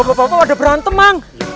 bapak bapak udah berantem bang